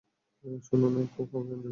শোন না, ও কি পাঞ্জাবি?